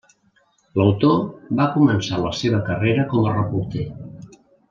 L'autor va començar la seva carrera com a reporter.